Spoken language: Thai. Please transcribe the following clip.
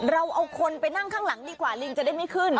เราเอาคนไปนั่งข้างหลังดีกว่าลิงจะได้ไม่ขึ้น